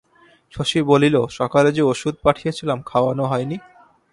শশী বলিল, সকালে যে ওষুধ পাঠিয়েছিলাম খাওয়ানো হয়নি?